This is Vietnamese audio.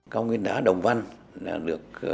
cao nguyên đá đồng văn được